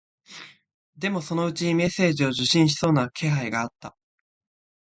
でも、そのうちメッセージを受信しそうな気配があった